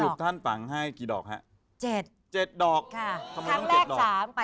สรุปท่านปากให้เกี่ยวกี่ดอกเฮ้ะ